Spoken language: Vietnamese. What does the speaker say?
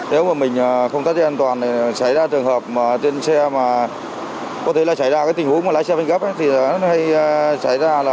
nếu mà mình không tắt đèn an toàn thì xảy ra trường hợp mà trên xe mà có thể là xảy ra cái tình huống mà lái xe bên gấp thì nó hay xảy ra